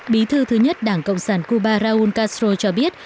bí thư thứ nhất đảng cộng sản cuba raúl castro cho biết